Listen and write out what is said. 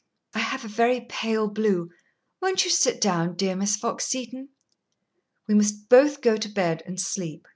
"I have a very pale blue. Won't you sit down, dear Miss Fox Seton?" "We must both go to bed and sleep.